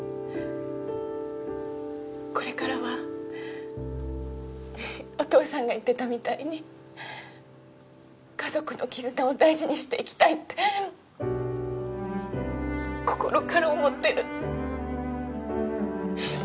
これからはお父さんが言ってたみたいに家族の絆を大事にしていきたいって心から思ってる。